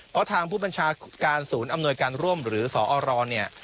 เพราะทางผู้บัญชาการศูนย์อำนวยการร่วมหรือสอรเนี่ย